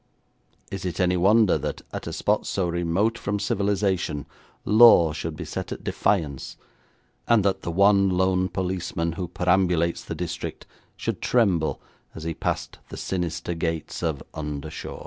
Is it any wonder that at a spot so remote from civilisation law should be set at defiance, and that the one lone policeman who perambulates the district should tremble as he passed the sinister gates of 'Undershaw'?